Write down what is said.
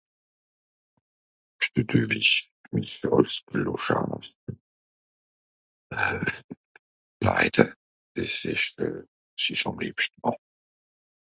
Incompréhensible